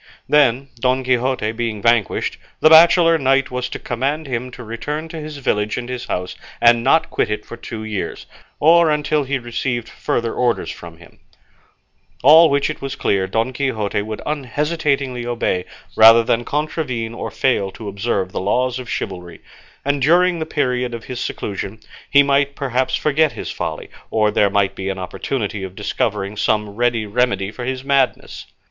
Then, Don Quixote being vanquished, the bachelor knight was to command him to return to his village and his house, and not quit it for two years, or until he received further orders from him; all which it was clear Don Quixote would unhesitatingly obey, rather than contravene or fail to observe the laws of chivalry; and during the period of his seclusion he might perhaps forget his folly, or there might be an opportunity of discovering some ready remedy for his madness.